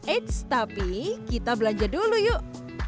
eits tapi kita belanja dulu yuk